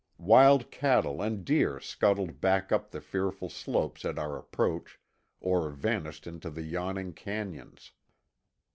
Wild cattle and deer scuttled back up the fearful slopes at our approach, or vanished into the yawning canyons.